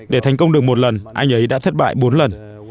để thành công được một lần anh ấy đã thất bại bốn lần